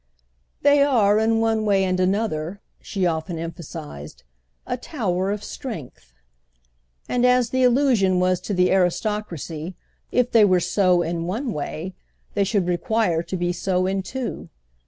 "They are, in one way and another," she often emphasised, "a tower of strength"; and as the allusion was to the aristocracy the girl could quite wonder why, if they were so in "one way," they should require to be so in two.